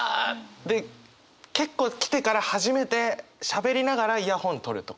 で結構来てから初めてしゃべりながらイヤホン取るとか。